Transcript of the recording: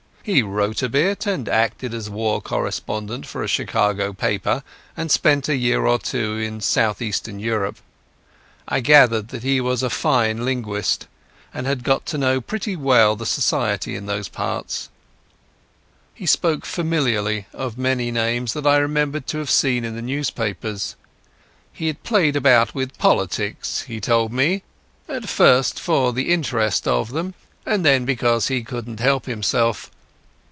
He wrote a bit, and acted as war correspondent for a Chicago paper, and spent a year or two in South Eastern Europe. I gathered that he was a fine linguist, and had got to know pretty well the society in those parts. He spoke familiarly of many names that I remembered to have seen in the newspapers. He had played about with politics, he told me, at first for the interest of them, and then because he couldn't help himself.